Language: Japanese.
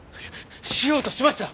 しようとしました！